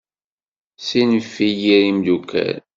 Ssinef i yir imeddukal.